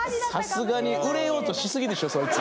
さすがに売れようとしすぎでしょそいつ。